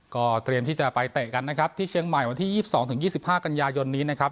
ก็เตรียมที่จะไปเตะกันนะครับที่เชียงใหม่วันที่๒๒๒๕กันยายนนี้นะครับ